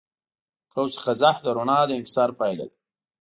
قوس قزح د رڼا د انکسار پایله ده.